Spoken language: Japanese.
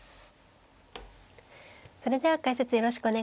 それでは解説よろしくお願いします。